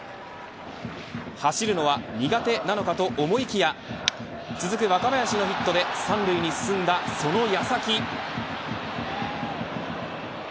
走るのは苦手なのかと思いきや続く若林のヒットで３塁に進んだその矢先。